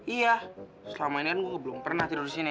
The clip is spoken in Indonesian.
iya selama ini kan gue belum pernah tidur di sini